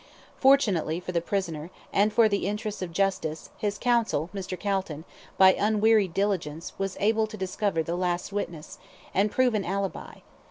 Fortunately for the prisoner, and for the interests of justice, his counsel, Mr. Calton, by unwearied diligence, was able to discover the last witness, and prove an ALIBI.